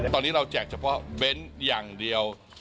ตอนนี้เราแจกเฉพาะเบนท์อย่างเดียว